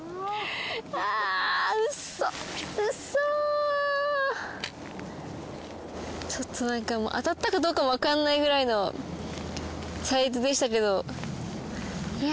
うわあうっそうそちょっと何か当たったかどうかもわかんないぐらいのサイズでしたけどいや